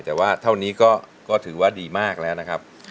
แต่ว่าเท่านี้ก็ถือว่าดีมากแล้วนะครับ